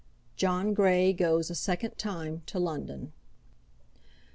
John Grey Goes a Second Time to London.